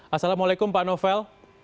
assalamualaikum pak novel